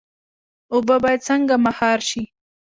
اوبه باید څنګه مهار شي؟